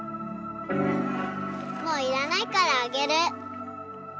もういらないからあげる。